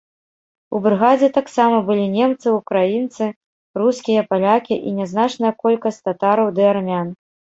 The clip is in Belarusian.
У брыгадзе таксама былі немцы, украінцы, рускія, палякі і нязначная колькасць татараў ды армян.